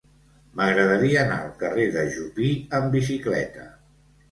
M'agradaria anar al carrer de Jupí amb bicicleta.